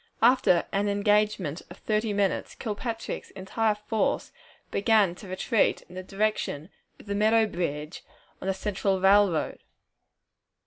After an engagement of thirty minutes, Kilpatrick's entire force began to retreat in the direction of the Meadow Bridge on the Central Railroad.